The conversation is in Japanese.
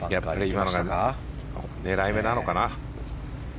狙い目なのかな。